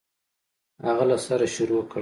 هغه له سره شروع کړ.